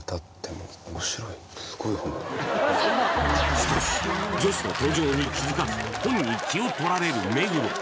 しかし女子の登場に気づかず本に気を取られる目黒